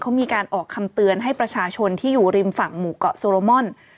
เขามีการออกคำเตือนให้ประชาชนที่อยู่ริมฝั่งหมู่เกาะโซโรมอน